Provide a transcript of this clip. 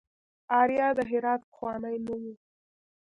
اریا د هرات پخوانی نوم و